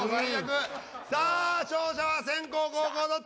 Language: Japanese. さあ勝者は先攻後攻どっち？